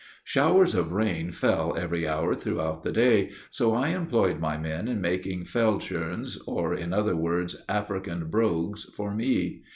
Showers of rain fell every hour throughout the day, so I employed my men in making feldt schoens, or, in other words, African brogues for me.